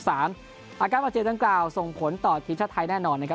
อาการบาดเจ็บดังกล่าวส่งผลต่อทีมชาติไทยแน่นอนนะครับ